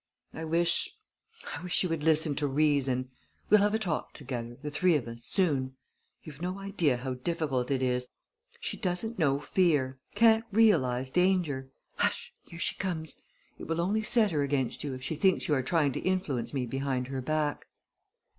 "I wish I wish she would listen to reason. We'll have a talk together the three of us soon. You've no idea how difficult it is! She doesn't know fear can't realize danger. Hush! Here she comes. It will only set her against you if she thinks you are trying to influence me behind her back."